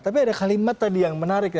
tapi ada kalimat tadi yang menarik ya